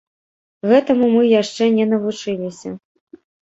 Гэтаму мы яшчэ не навучыліся.